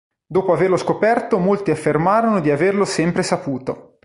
Dopo averlo scoperto molti affermarono “di averlo sempre saputo”.